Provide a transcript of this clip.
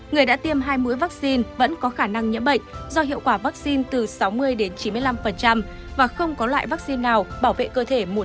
người đã tiêm hai mũi vaccine vẫn có khả năng nhiễm bệnh do hiệu quả vaccine từ sáu mươi đến chín mươi năm và không có loại vaccine nào bảo vệ cơ thể một